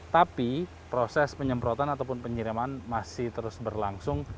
tapi proses penyemprotan ataupun penyiraman masih terus berlangsung